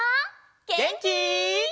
げんき？